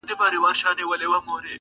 ده ویله نه طالب یم نه ویلی مي مکتب دی,